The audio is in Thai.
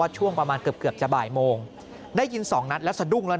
ช่วงประมาณเกือบจะบ่ายโมงได้ยินสองนัดแล้วสะดุ้งแล้ว